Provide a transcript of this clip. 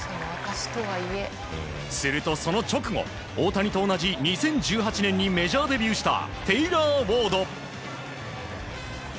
すると、その直後大谷と同じ２０１８年にメジャーデビューしたテイラー・ウォード。